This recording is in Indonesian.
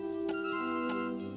janganlah kau berguna